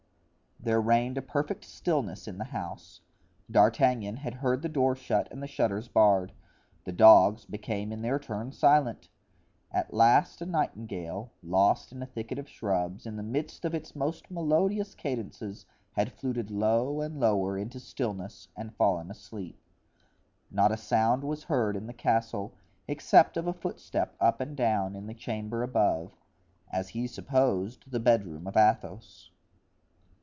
There reigned a perfect stillness in the house. D'Artagnan had heard the door shut and the shutters barred; the dogs became in their turn silent. At last a nightingale, lost in a thicket of shrubs, in the midst of its most melodious cadences had fluted low and lower into stillness and fallen asleep. Not a sound was heard in the castle, except of a footstep up and down, in the chamber above—as he supposed, the bedroom of Athos.